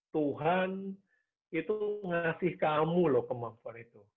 tuhan itu ngasih kamu loh kemampuan itu